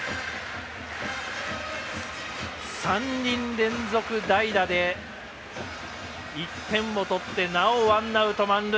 ３人連続代打で１点を取ってなお、ワンアウト、満塁。